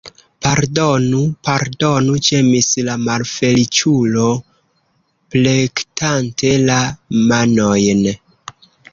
Pardonu, pardonu, ĝemis la malfeliĉulo, plektante la manojn.